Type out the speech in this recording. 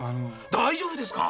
大丈夫ですか？